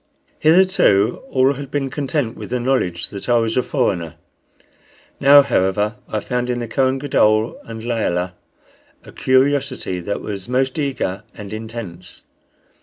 Hitherto all had been content with the knowledge that I was a foreigner. Now, however, I found in the Kohen Gadol and Layelah a curiosity that was most eager and intense.